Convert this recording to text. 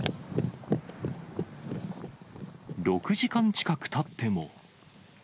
６時間近くたっても。